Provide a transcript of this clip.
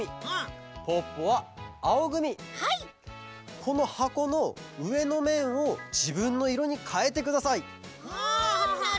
このはこのうえのめんをじぶんのいろにかえてください！